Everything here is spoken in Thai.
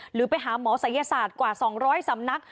หรือไปหาหมอศัยศาสตร์กว่า๒๐๐สำนัก